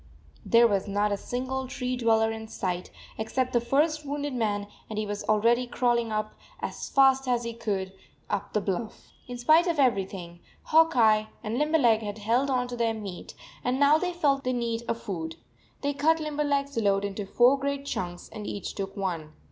There was not a single tree dweller in sight except the first wounded man, and he was already crawling as fast as he could up the bluff. In spite of everything, Hawk Eye and Limberleg had held on to their meat, and now they felt the need of food. They cut Limberleg s load into four great chunks, and each took one.